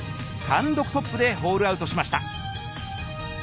単独トップでホールアウトしました。